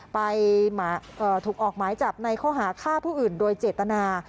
ไปถูกออกหมายจับในข้อหาฆ่าผู้อื่นโดยเจตนา